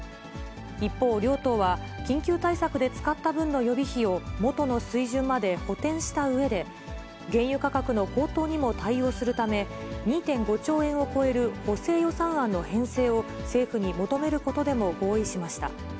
一方、両党は緊急対策で使った分の予備費を元の水準まで補填したうえで、原油価格の高騰にも対応するため、２．５兆円を超える補正予算案の編成を政府に求めることでも合意しました。